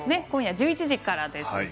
今夜１１時からです。